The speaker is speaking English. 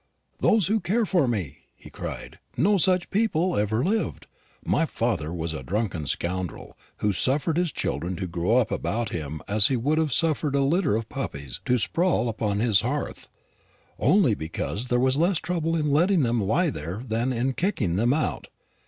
"Those who care for me!" he cried; "no such people ever lived. My father was a drunken scoundrel, who suffered his children to grow up about him as he would have suffered a litter of puppies to sprawl upon his hearth, only because there was less trouble in letting them lie there than in kicking them out.